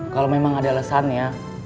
kalau memang ada alasannya